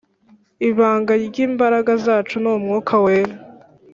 Ibanga ry’ imbaraga zacu ni umwuka wera